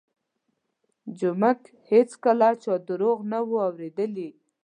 جومک هېڅکله چا درواغ نه وو اورېدلي.